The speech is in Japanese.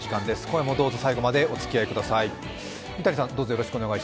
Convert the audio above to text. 今夜もどうぞ最後までお付き合いください。